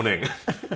ハハハハ。